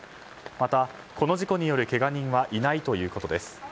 また、この事故によるけが人はいないということです。